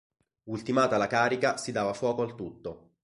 Ultimata la carica si dava fuoco al tutto.